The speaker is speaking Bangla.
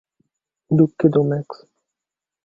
দুঃখিত, ম্যাক্স।